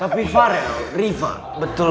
kita harus bersyukur